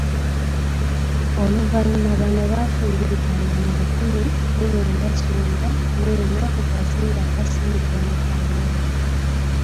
Oluvannyuma bano bafumbirigana mu lukumi mu lwenda kyenda mu ena ku kazinga akasangibwa mu Hawai.